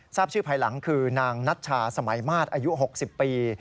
ทราบชื่อภายหลังคือนางนัชชาสมัยมาศอายุ๖๐ปี